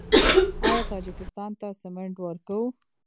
آیا تاجکستان ته سمنټ ورکوو؟